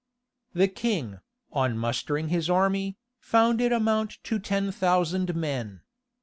The king, on mustering his army, found it amount to ten thousand men.